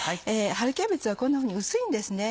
春キャベツはこんなふうに薄いんですね。